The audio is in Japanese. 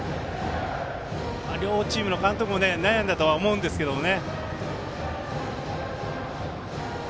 両チームの監督も悩んだとは思うんですけどね。